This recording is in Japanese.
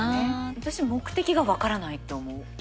私目的がわからないと思う。